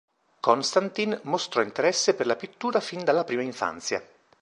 Konstantin mostrò interesse per la pittura fin dalla prima infanzia.